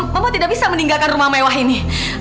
bapak tidak bisa meninggalkan rumah mewah ini